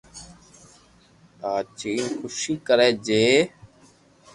ناچين خوسي ڪري جي